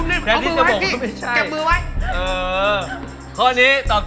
กรุงเทพหมดเลยครับ